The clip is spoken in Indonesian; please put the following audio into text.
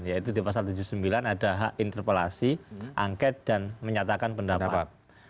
yaitu di pasal tujuh puluh sembilan ada hak interpelasi angket dan menyatakan pendapat